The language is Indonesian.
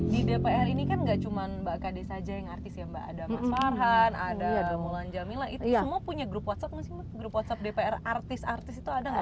di dpr ini kan nggak cuma mbak kd saja yang artis ya mbak ada mas farhan ada mulan jamila itu semua punya grup whatsapp nggak sih mbak grup whatsapp dpr artis artis itu ada nggak